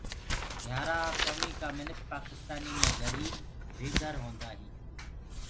گھِيآرآ ڪوميٚ ڪآ منک پآڪِسآنيٚ مي گريب بي گھر هونٚدآ هينٚ